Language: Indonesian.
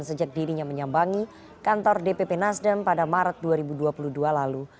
sejak dirinya menyambangi kantor dpp nasdem pada maret dua ribu dua puluh dua lalu